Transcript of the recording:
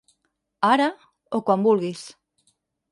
Ara, o quan vulguis.